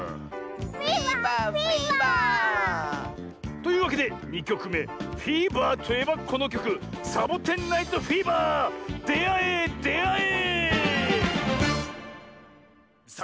フィーバーフィーバー！というわけで２きょくめフィーバーといえばこのきょく「サボテン・ナイト・フィーバー」であえであえ！